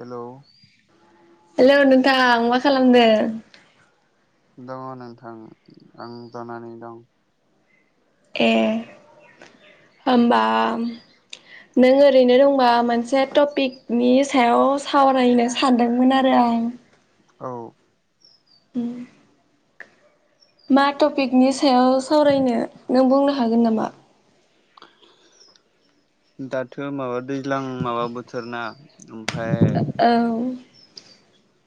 Hello hello नोंथां मा खालामदों? दङ नोंथां आं जनानै दं। ए होमबा नों ओरैनो दंबा मोनसे टपिकनि सायाव सावरायनो सानदोंमोन आरो आं आं औ उम मा टपिकनि सायाव सावरायनो नों बुंनो हागोन नामा? दाथ' माबा दैज्लां माबा बोथोर ना ओमफाय औ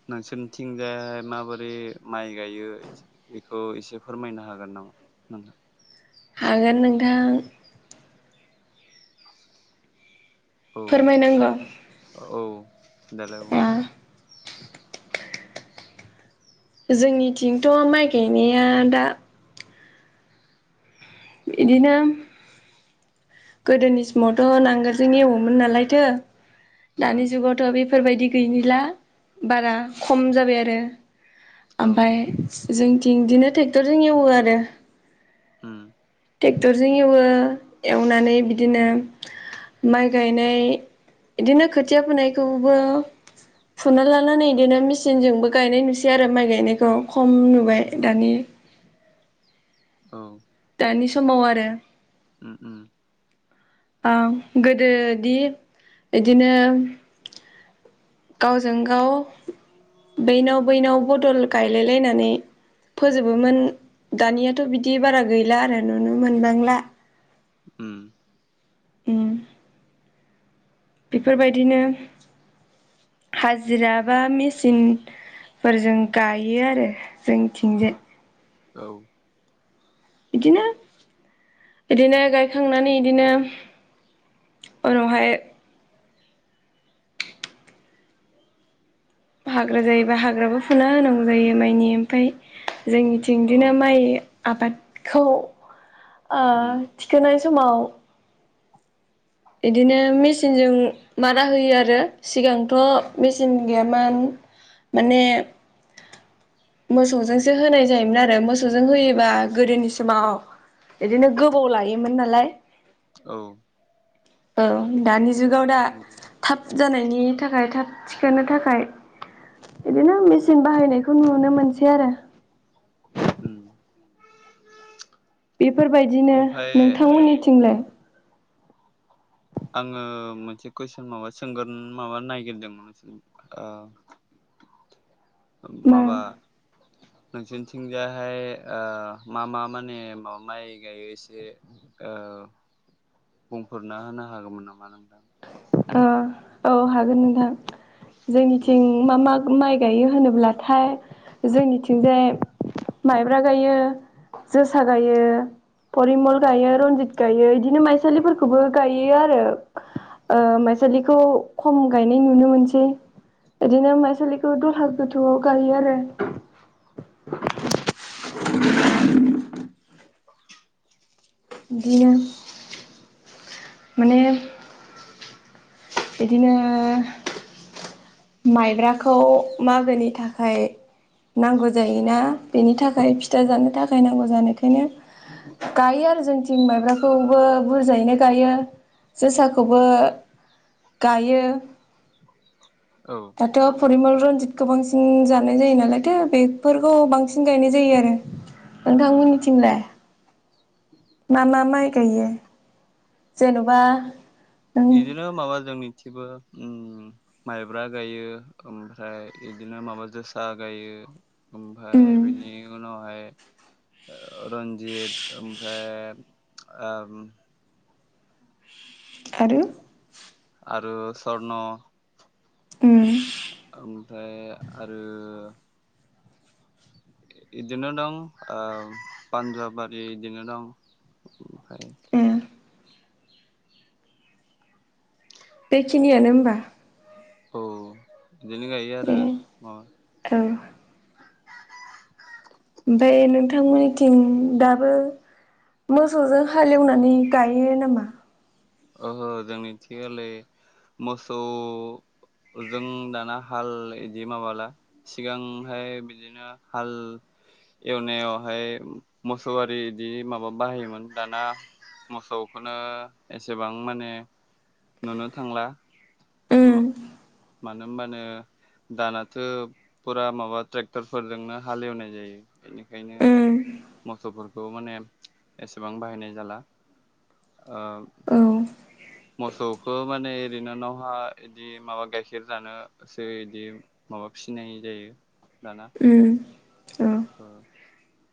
नोंसोरनिथिंजाय माबोरै माइ गायो एखौ एसे फोरमायनो हागोन नामा? नोंथां हागोन नोंथां। औ फोरमायनांगौ? औ देलाय ओ बुं। जोंनिथिंथ' माइ गायनाया दा इदिनो गोदोनि समावथ' नांगोलजों एवोमोन नालायथ' उम दानि जुगावथ' बेफोरबायदि गैनिला बारा खम जाबाय आरो। औ ओमफाय जोंथिं इदिनो टेक्टरजों एवो आरो। उम टेक्टरजों एवो एवनानै बिदिनो माइ गायनाय इदिनो खोथिया फुनायखौबो फुना लानानै इदिनो मिचिनजोंबो गायनाय नुसै आरो माइ गायनायखौ खम नुबाय दानि [inaudible] औ दानि समाव आरो। उम उम। ओं गोदोदि इदिनो [unintelligible] [inaudible] गावजों गाव बैनाव बैनाव बदल गायलायलायनानै फोजोबोमोन दानियाथ' बिदि बारा गैला आरो नुनो मोनबांला। उम उम बेफोरबायदिनो हाजिरा बा मेचिन फोरजों गायो आरो जोंथिंजाय। औ बिदिनो बिदिनो गायखांनानै इदिनो उनावहाय हाग्रा जायोबा हाग्राबो फुना होनांगौ जायो माइनि ओमफ्राय जोंनिथिं औ बिदिनो माइ आबादखौ ओ उम थिखोनाय समाव इदिनो मेचिनजों मारा होयो आरो सिगांथ' मेचिन गैयामोन। माने मोसौजोंसो होनाय जायोमोन आरो मोसौजों होयोबा गोदोनि समाव बिदिनो गोबाव लायोमोन नालाय। औ औ दानि जुगाव दा नंगौ थाब जानायनि थाखाय थाब थिखोनो थाखाय बिदिनो मेचिन बाहायनायखौ नुनो मोनसै आरो उम बेफोरबायदिनो ओमफाय नोंथांमोननिथिंलाय? आङो मोनसे कुइसन, माबा सोंग्रोनो माबा नायगिरदोंमोन ओ मा माबा नोंसोरनिथिंजाहाय ओ मा- मा माने माबा माइ गायो एसे ओ बुंफोरना होनो हागौमोन नामा नोंथां? ओ औ, हागोन नोंथां जोंनिथिं बुंलाय मा- मा माइ गायो होनोब्लाथाय जोंनिथिंजाय माइब्रा गायो। जोसा गायो। परिमल गायो, रनजित गायो बिदिनो माइसालिफोरखौबो गायो आरो। ओ माइसालिखौ खम गायनाय नुनो मोनसै। बिदिनो माइसालिखौ दलहा गोथौआव गायो आरो। [unintelligible] औ [unintelligible] [unintelligible] बिदिनो माने बिदिनो माइब्राखौ मागोनि थाखाय नांगौ जायोना। बेनि थाखाय फिथा जानो थाखाय नांगौ जानायखायनो गायो आरो जोंनिथिं माइब्राखौबो बुरजायैनो गायो। जोसाखौबो गायो। औ दाथ' फरिमल रनजितखौ बांसिन जानाय जायो नालायथो। बेफोरखौ बांसिन गायनाय जायो आरो। नोंथां मोननिथिंलाय? मा- मा माइ गायो? जेन'बा नों बिदिनो माबा जोंनि गासिबो ओम, माइब्रा गायो ओमफ्राय बिदिनो माबा जोसा गायो। उम ओमफ्राय बेनि उनावहाय रन्जित, ओमफ्राय ओ आरो आरो सरन' उम। ओमफ्राय आरो बिदिनो दं। ओ पान्जाबारि बिदिनो दं। [inaudible] ए। बेखिनियानो होमबा? औ बिदिनो गायो आरो ए माबा औ ओमफ्राय नोंथांमोननिथिं दाबो मोसौजों हालेवनानै गायो नामा? ओहो जोंनिथियोलै मोसौ जों दाना हाल बिदि माबाला। सिगांहाय बिदिनो हाल एवनायावहाय मोसौ आरि बिदि माबा बाहायोमोन। दाना मोसौखौनो एसेबां माने नुनो थांला उम [unintelligible] मानो होमबानो दानाथ' फुरा माबा ट्रेक्टरफोरजोंनो हालेवनाय जायो। बेनिखायनो उम मोसौफोरखौ माने एसेबां बाहायनाय जाला। ओ औ मोसौखौ माने ओरैनो न'वहा इदि माबा गाइखेर जानोसो बिदि माबा फिनाय जायो। उम। औ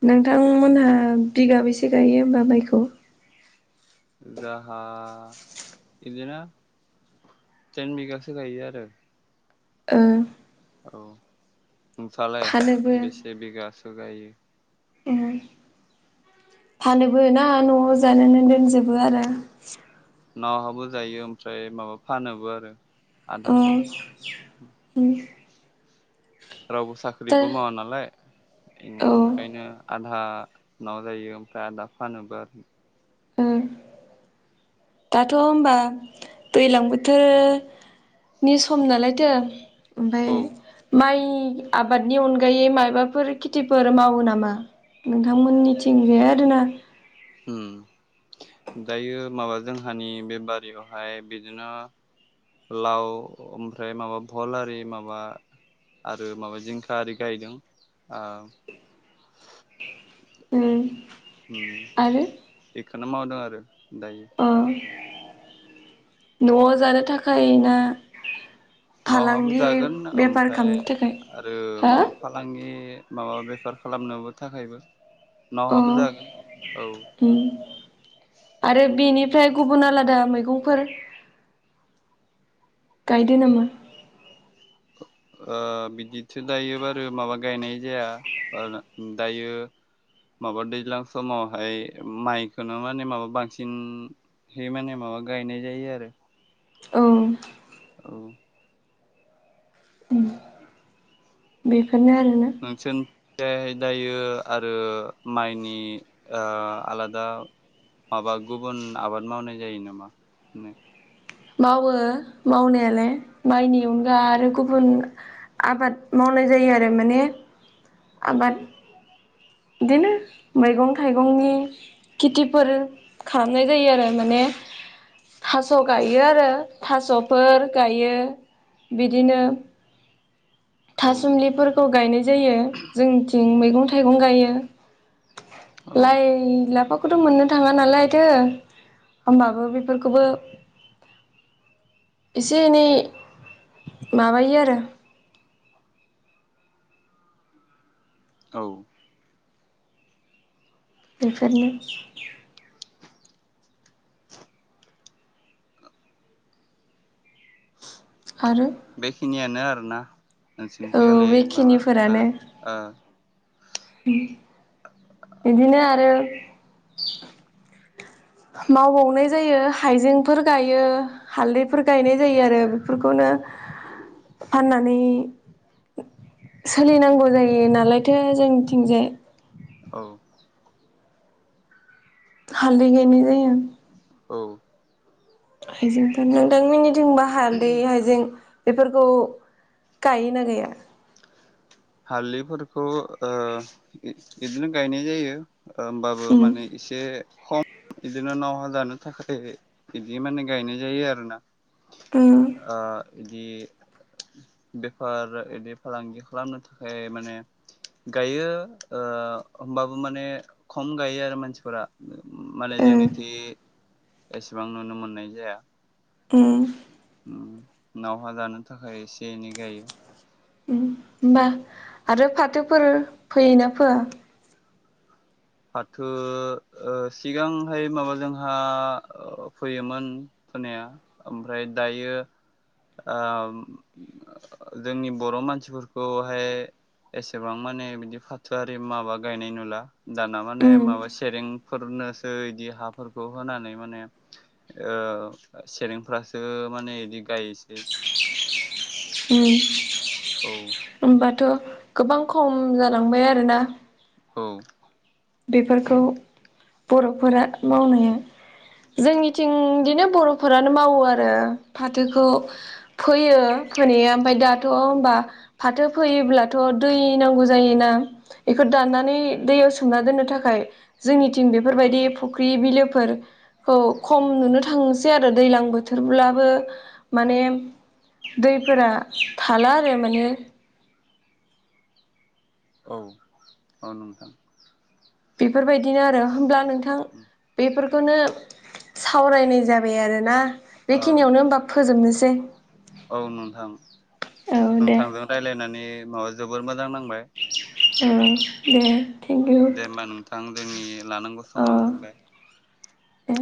नोंथांमोनहा बिगाबैसे गायो होमबा माइखौ‌? जाहा इदिनो थेन बिगासो गायो आरो। औ नोंसालाय फानोबो बेसे बिगासो गायो? उम फानोबो ना न'आव जानानैानानै दोनजोबो आरो? नावहाबो जायो ओमफ्राय माबा फानोबो आरो। आधाखौ उम रावबो दा साख्रिबो मावा नालाय औ ओ ओंखायनो आधा नाव जायो ओमफ्राय आदा फानोबो आरो। ओ दाथ' होमबा दैज्लां बोथोर नि सम नालायथो ओमफ्राय औ माइ आबादनि अनगायै माबाफोर खेथिफोर मावो नामा? नोंथांमोननिथिं बे आरोना। उम दायो माबा जोंहानि बे बारियावहाय बिदिनो लाव ओमफ्राय माबा भल आरि माबा आरो माबा जिंखा आरि गायदों ओ उम उम आरो बेखौनो मावदों आरो। दायो अ -! न'आव जानो थाखाय ना? नावहाबो फालांगि जागोन बेफार ओमफ्राय खालामनो थाखाय आरो हा माबा फालांगि माबा बेफार खालामनोबो थाखायबो। अ नावहाबो जागोन औ उम आरो बेनि फ्राय गुबुन आलादा मैगंफोर गायदो नामा? ओ बिदिथो दायो बारु माबा गायनाय जाया ओ दायो माबा दैज्लां समावहाय माइखोनो माने माबा बांसिन है माने माबा गायनाय जायो आरो। औ औ बेफोरनो आरोना नोंसोन थिजाय दायो आरो माइनि आ आलादा माबा गुबुन आबाद मावनाय जायो नामा? नो मावो मावनायालाय माइनि अनगा आरो गुबुन आबाद मावनाय जायो आरो माने आबाद बिदिनो मैगं थाइगंनि खेथिफोर खालामनाय जायो आरो माने [inaudible] थास' गायो आरो थास'फोर गायो। बिदिनो औ थासुमलिफोरखौ गायनाय जायो जोंनिथिं मैगं-थाइगं गायो। औ लाय, लाफाख खौथ' मोननो थाङा नालायथो होमबाबो बेफोरखौबो एसे एनै माबायो आरो औ बेफोरनो आरो बेखिनियानो आरोना नोंसोरनिथि औ गालै माबा ओ ओ। उम बिदिनो आरो मावबावनाय जायो हाइजेंफोर गायो हालदैफोर गायनाय जायो आरो बेफोरखौनो नो फाननानै सोलिनांगौ जायो नालायथो जोंथिंजाय औ हालदै गायनाय जायो। औ। हाइजेंथ नोंदां मोनिथिंबा हालदै हाइजें बेफोरखौ गायोना गैया हालदैफोरखौ ओ बि बिदिनो गायनाय जायो। ओमबाबो उम माने एसे खम बिदिनो नावहा जानो थाखाय बिदि माने गायनाय जायो आरोना उम आ। इदि बेफार इदि फालांगि खालामनो थाख फाय माने गायो ओ होमबाबो माने खम गायो आरो मानसिफोरा माने ओ उम जोंनिथि एसेबां नुनो मोननाय जाया। ए। उम नावहा जानो थाखाय एसे एनै गायो। होमबा आरो फाथोफोर फैयोना फोया? फाथो ओ सिगांहाय माबा जोंहा ओ फैयोमोन फोनाया ओमफ्राय दायो आम जोंनि बर' मानसिफोरखौहाय। एसेबां माने बिदि फाथोयारि माबा गायनाय नुला। दाना माने उम माबा उम सेरेंफोरनोसो इदि हाफोरखौ होनानै माने ओ ओ सेरेंफ्रासो माने इदि गायसै उम। औ होनबाथ' गोबां खम जालांबाय आरोना। औ। बेफोरखौ बर'फोरा मावनो जोंनिथिं बिदिनो बर'फोरानो मावो आरो फाथोखौ फोयो फोनया ओमफ्राय दाथ' होबा फाथो फैयोब्लाथ' दै नांगौ जायोना इखो दनानै दैयाव सोमना दोननो थाखाय जोंनिथिं औ बेफोरबायदि फख्रि बिलोफोर फोर खौ खम नुनो थांसै आरो दैज्लां बोथोरब्लाबो माने दैफोरा थाला आरो माने औ-औ नोंथां। बेफोरबायदिनो आरो होब्ला नोंथां बेफोर खौनो सावरायनाय जाबाय आरोना ओ बेखिनियावनो होबा फोजोबनोसै औ नोंथां औ दे नोंथांजों रायलायनानै माबा जोबोर मोजां नांबाय ओं दे। इउ दे होमबा नोंथां जोंनि लानांगौ समाव जोबबाय ए।